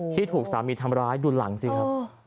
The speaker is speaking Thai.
ที่ถูกสามีทำร้ายดูหลังสิครับ